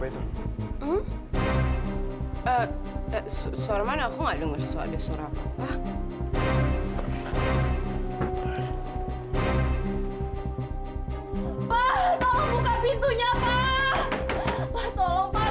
tolong aku harus cari bino